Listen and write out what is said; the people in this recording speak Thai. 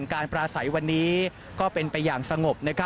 การปราศัยวันนี้ก็เป็นไปอย่างสงบ